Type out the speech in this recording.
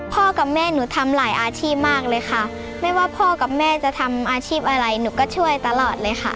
กับแม่หนูทำหลายอาชีพมากเลยค่ะไม่ว่าพ่อกับแม่จะทำอาชีพอะไรหนูก็ช่วยตลอดเลยค่ะ